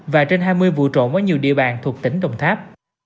và trên hai mươi vụ trộm ở nhiều địa bàn thuộc tỉnh đồng tháp